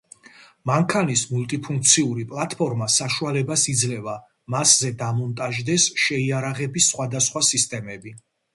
მანქანის მულტიფუნქციური პლატფორმა საშუალებას იძლევა მასზე დამონტაჟდეს შეიარაღების სხვადასხვა სისტემები.